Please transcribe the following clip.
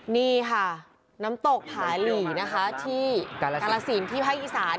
นี่ค่ะน้ำตกผาหลีนะคะที่กาลสินที่ภาคอีสาน